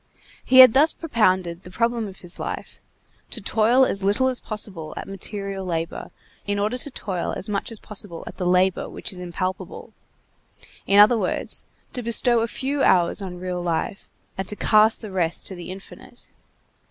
He had thus propounded the problem of his life: to toil as little as possible at material labor, in order to toil as much as possible at the labor which is impalpable; in other words, to bestow a few hours on real life, and to cast the rest to the infinite.